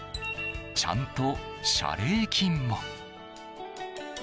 ちゃんと謝礼金も。